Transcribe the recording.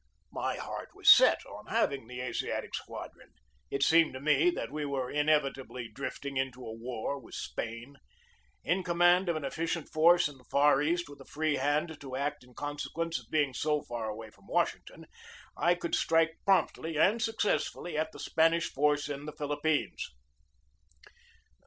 My heart was set on having the Asiatic Squadron. It seemed to me that we were inevitably drifting into a war with Spain. In command of an efficient force in the Far East, with a free hand to act in conse quence of being so far away from Washington, I could strike promptly and successfully at the Span ish force in the Philippines.